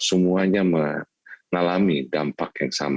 semuanya mengalami dampak yang sama